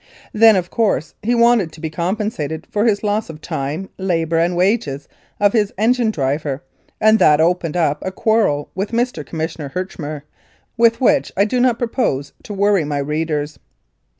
Then, of course, he wanted to be compensated for his loss of time, labour and wages of his engine driver, and that opened up a quarrel with Mr. Commissioner Herchmer with which I do not propose to worry my readers.